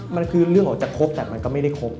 มันคือเรื่องออกจากครบแต่มันก็ไม่ได้ครบ